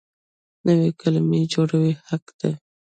نوې کلمې جوړول حق دی.